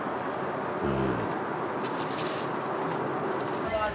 うん。